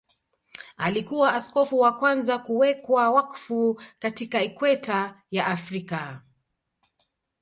Alikuwa askofu wa kwanza kuwekwa wakfu katika Ikweta ya Afrika.